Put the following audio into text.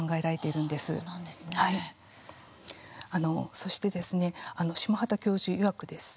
そしてですね下畑教授いわくです。